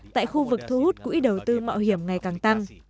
tại khu vực thu hút quỹ đầu tư mạo hiểm ngày càng tăng